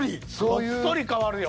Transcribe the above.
ごっそり変わるよ。